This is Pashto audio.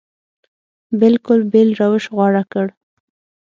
بلکل بېل روش غوره کړ.